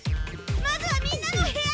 まずはみんなの部屋！